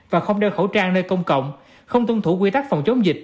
và không đeo khẩu trang nơi công cộng không tuân thủ quy tắc phòng chống dịch